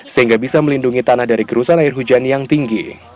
sehingga bisa melindungi tanah dari kerusan air hujan yang tinggi